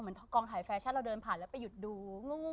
กองถ่ายแฟชั่นเราเดินผ่านแล้วไปหยุดดู